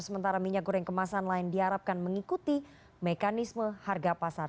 sementara minyak goreng kemasan lain diharapkan mengikuti mekanisme harga pasar